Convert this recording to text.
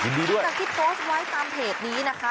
วินดีด้วยคุณผู้ชมคิดโต๊ะไว้ตามเพจนี้นะคะ